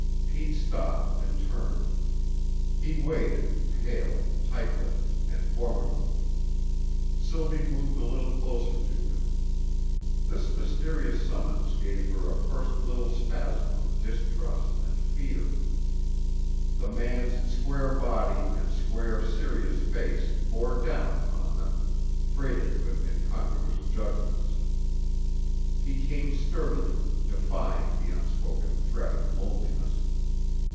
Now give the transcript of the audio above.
Pete stopped and turned. He waited, pale, tightlipped, and formidable; Sylvie moved a little closer to him. This mysterious summons gave her a first little spasm of distrust and fear. The man's square body and square, serious face bore down upon them, freighted with incongruous judgments. He came sturdily, defying the unspoken threat of loneliness.